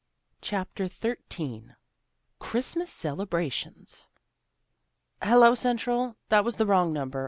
CHAPTER XIII CHRISTMAS CELEBRATIONS " HELLO, Central. That was the wrong number.